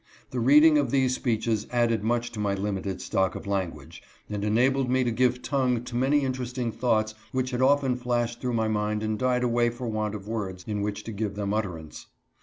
The reading of these speeches added much to my limited stock of language, and enabled me to give tongue to many interesting thoughts which had often flashed through my mind and died away for want of words in which to give them utter ance.